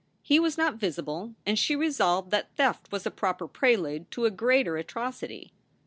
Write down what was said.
He was not visible and she resolved that theft was a proper prelude to a greater atrocity.